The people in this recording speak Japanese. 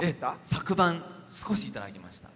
昨晩、少しいただきました。